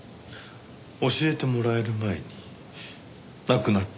教えてもらえる前に亡くなってしまった。